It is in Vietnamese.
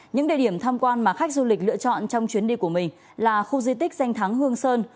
những địa điểm tham quan mà khách du lịch lựa chọn trong chuyến đi của mình là khu di tích danh thắng hương sơn